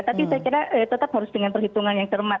tapi saya kira tetap harus dengan perhitungan yang cermat